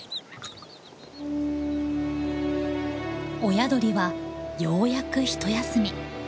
親鳥はようやくひと休み。